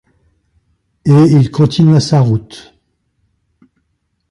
Et il continua sa route.